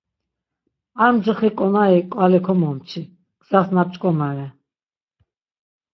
Ar mcixi ǩonari ǩvali komomçi, gzas na p̌ç̌ǩomare.